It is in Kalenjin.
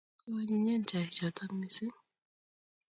Ko anyinyen chaik chotok missing'